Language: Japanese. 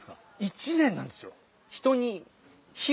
１年なんですよ。